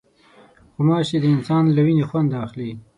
غوماشې د انسان له وینې خوند اخلي.